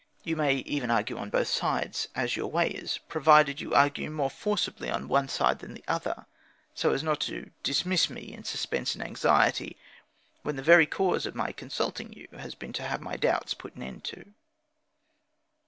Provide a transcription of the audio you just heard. You may even argue on both sides (as your way is), provided you argue more forcibly on one side than the other, so as not to dismiss me in suspense and anxiety, when the very cause of my consulting you has been to have my doubts put an end to.